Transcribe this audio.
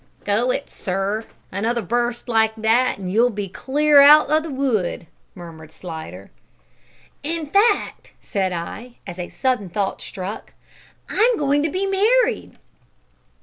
"Go it, sir! Another burst like that and you'll be clear out o' the wood," murmured Slidder. "In fact," said I, as a sudden thought struck, "I'm going to be married!"